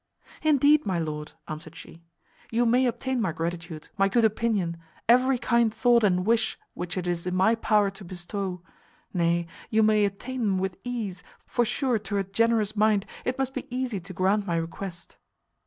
"Indeed, my lord," answered she, "you may obtain my gratitude, my good opinion, every kind thought and wish which it is in my power to bestow; nay, you may obtain them with ease, for sure to a generous mind it must be easy to grant my request.